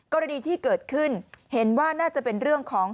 กรณีที่เกิดขึ้นเห็นว่าน่าจะเป็นเรื่องของ